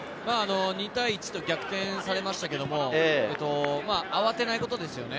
２対１と逆転されましたけど、慌てないことですよね。